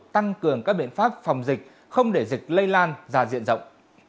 tăng cường các biện pháp phòng dịch không để dịch lây lan ra diện rộng